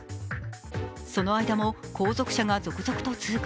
その間も後続車が続々と通過。